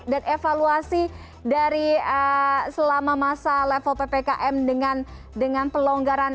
dan evaluasi dari selama masa level ppkm dengan pelonggaran